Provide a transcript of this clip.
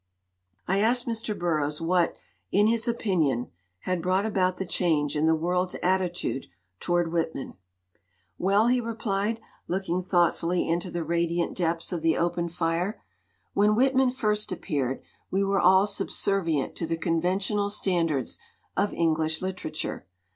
I asked Mr. Burroughs what, in his opinion, had brought about the change in the world's attitude toward Whitman. "Well," he replied, looking thoughtfully into 219 LITERATURE IN THE MAKING the radiant depths of the open fire, "when Whit man first appeared we were all subservient to the conventional standards of English literature.